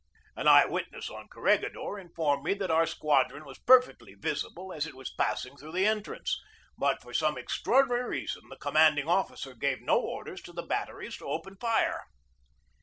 An eye witness on Corregidor informed me that our squadron was perfectly visible as it was passing through the entrance, but for some extraordinary reason the commanding officer gave no orders to the batteries to open fire.